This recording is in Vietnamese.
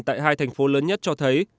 tại hai thành phố lớn nhất cho thấy